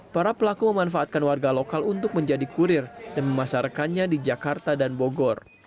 para pelaku memanfaatkan warga lokal untuk menjadi kurir dan memasarkannya di jakarta dan bogor